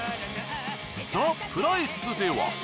ザ・プライスでは。